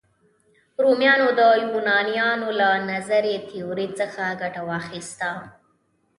رومیانو د یونانیانو له نظري تیوري څخه ګټه واخیسته.